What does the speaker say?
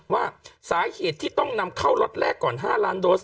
ว่าสาเหตุที่ต้องนำเข้าล็อตแรกก่อน๕ล้านโดส